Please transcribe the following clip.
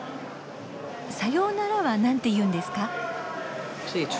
「さようなら」は何て言うんですか？